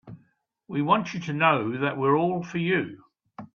We want you to know that we're all for you.